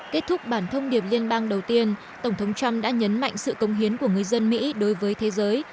kết thúc bản thông điệp liên bang đầu tiên tổng thống trump đã nhấn mạnh sự công hiến của người dân mỹ đối với thế giới